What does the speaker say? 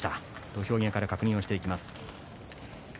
土俵際から確認していきます。